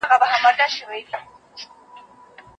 ښوونکي لارښوونه وکړه او تدريس اغېزمن سو.